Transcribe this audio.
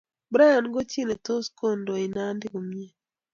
Brian ko chi netos kondoi Nandi komnye